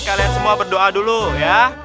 kalian semua berdoa dulu ya